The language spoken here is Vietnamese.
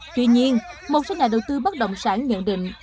tuy nhiên một số nhà đầu tư bất động sản nhận định